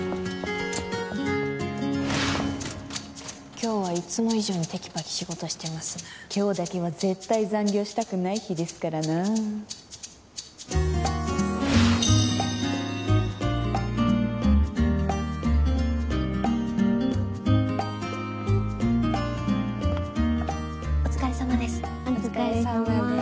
今日はいつも以上にテキパキ仕事してますな今日だけは絶対残業したくない日ですからなお疲れさまですお疲れさまです